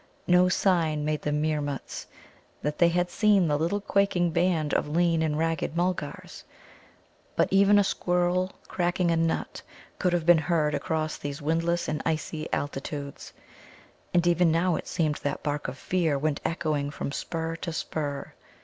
No sign made the Meermuts that they had seen the little quaking band of lean and ragged Mulgars. But even a squirrel cracking a nut could have been heard across these windless and icy altitudes. And even now it seemed that bark of fear went echoing from spur to spur.